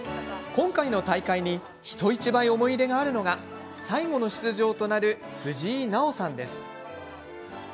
今回の大会に人一倍思い入れがあるのが最後の出場となる藤井渚央さんです。